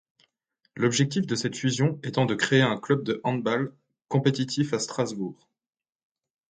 L'objectif de cette fusion étant de créer un club de handball compétitif à Strasbourg.